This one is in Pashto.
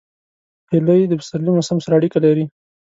هیلۍ د پسرلي موسم سره اړیکه لري